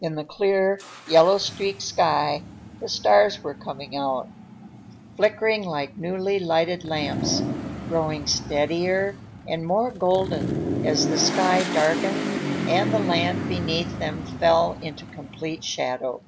In the clear, yellow streaked sky the stars were coming out, flickering like newly lighted lamps, growing steadier and more golden as the sky darkened and the land beneath them fell into complete shadow.